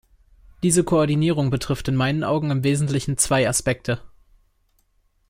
Diese Koordinierung betrifft in meinen Augen im wesentlichen zwei Aspekte.